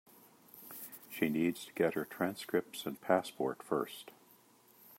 She needs to get her transcripts and passport first.